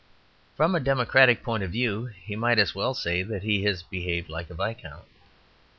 From a democratic point of view he might as well say that he had behaved like a viscount.